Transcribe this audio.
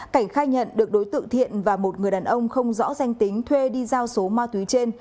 cảnh khai nhận được đối tượng thiện và một người đàn ông không rõ danh tính thuê đi giao số ma túy trên